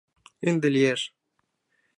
Ынде лиеш...